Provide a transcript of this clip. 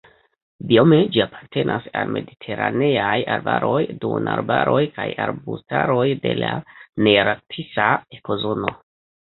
Biome ĝi apartenas al mediteraneaj arbaroj, duonarbaroj kaj arbustaroj de la nearktisa ekozono.